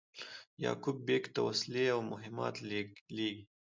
یعقوب بېګ ته وسلې او مهمات لېږي.